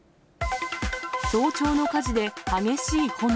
早朝の火事で激しい炎。